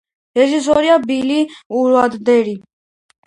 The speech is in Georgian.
რეჟისორია ბილი უაილდერი.